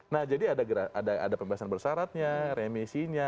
nah jadi ada pembebasan bersyaratnya remisinya